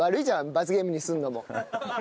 罰ゲームにするのも。